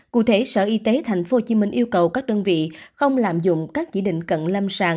cụ thể sở y tế tp hcm yêu cầu các đơn vị không lạm dụng các chỉ định cận lâm sàng